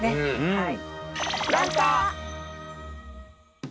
はい。